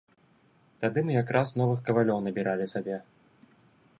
Тады мы якраз новых кавалёў набіралі сабе.